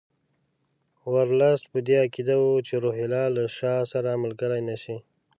ورلسټ په دې عقیده وو چې روهیله له شاه سره ملګري نه شي.